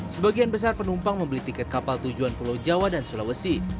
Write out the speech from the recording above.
sebagian besar penumpang membeli tiket kapal tujuan pulau jawa dan sulawesi